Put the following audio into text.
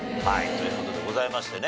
という事でございましてね